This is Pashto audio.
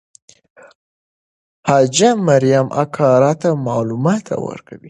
حاجي مریم اکا راته معلومات ورکوي.